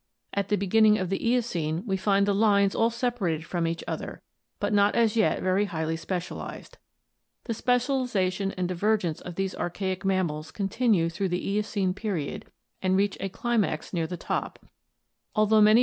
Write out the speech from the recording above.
At the beginning of the Eocene we find the lines all separated from each other but not as yet very highly specialized. The specialization and divergence of these archaic mammals continue through the Eocene period and reach a climax near the top, although many branches of this ORGANIC EVOLUTION *S.